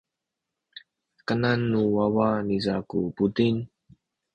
kanan nu wawa niza ku buting.